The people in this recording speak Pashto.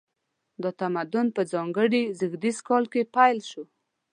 دا تمدن په ځانګړي زیږدیز کال کې پیل شو.